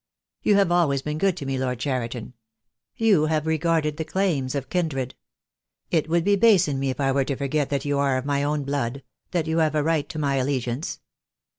You have always been good to me, Lord Cheriton. You have re garded the claims of kindred. It would be base in me if I were to forget that you are of my own blood — that you have a right to my allegiance.